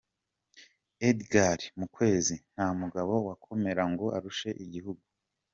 Edgar Muhwezi: “Nta mugabo wakomera ngo arushe igihugu.